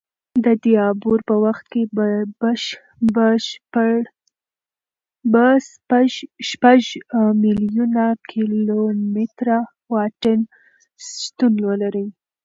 د دې عبور په وخت کې به شپږ میلیونه کیلومتره واټن شتون ولري.